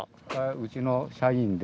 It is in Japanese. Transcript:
うちの社員で。